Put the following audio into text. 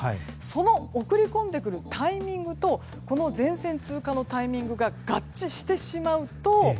その送り込んでくるタイミングと前線通過のタイミングが合致してしまうと